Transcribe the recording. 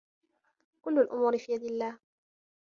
كلّ الأمور في يد الله.